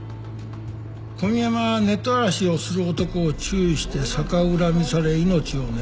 小宮山はネット荒らしをする男を注意して逆恨みされ命を狙われた。